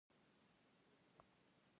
د غوسې پر وخت د انسان تندی ګونځې کوي